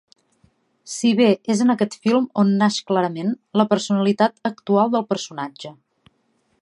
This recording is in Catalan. Si bé és en aquest film on naix clarament, la personalitat actual del personatge.